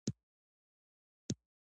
د پښتنو په کلتور کې سهار وختي پاڅیدل عادت دی.